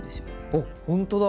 あほんとだ！